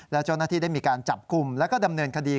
และเจ้าหน้าที่ได้มีการจับกลุ่มแล้วก็ดำเนินคดี